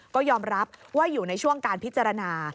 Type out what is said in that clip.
ก็ยอมรับว่าอยู่ในช่วงการพิจารณา